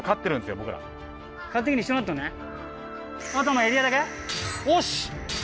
よし！